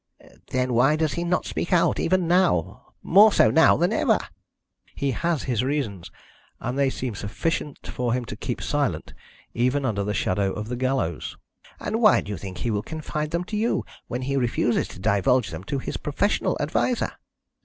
"Then why does he not speak out, even now more so now than ever?" "He has his reasons, and they seem sufficient to him to keep him silent even under the shadow of the gallows." "And why do you think he will confide them to you, when he refuses to divulge them to his professional adviser?"